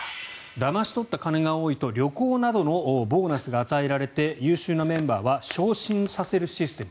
だまし取った金が多いと旅行などのボーナスが与えられて優秀なメンバーは昇進させるシステム